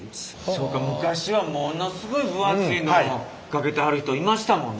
そうか昔はものすごい分厚いのかけてはる人いましたもんね。